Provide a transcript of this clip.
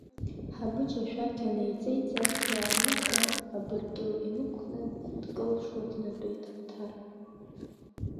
Ҳабыџь ашәақь анеиҵеиҵа, иааимихын, абыркьыл инықәкны дкылԥшуа днатәеит Оҭар.